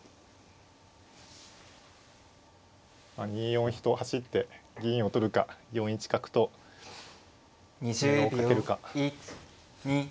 ２四飛と走って銀を取るか４一角と詰めろをかけるか。